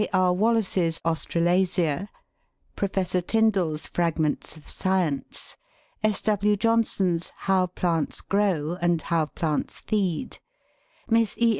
R. Wallace's "Austral asia;" Prof. Tyndall's "Fragments of Science;" S. W. Johnson's "How Plants Grow," and " How Plants Feed;" Miss E.